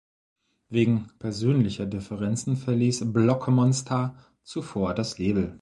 Wegen persönlicher Differenzen verließ Blokkmonsta zuvor das Label.